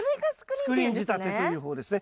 スクリーン仕立てという方法ですね。